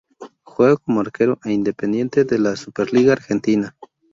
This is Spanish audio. Juega como arquero en Independiente de la Superliga Argentina.